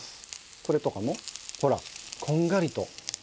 これとかもほらこんがりと。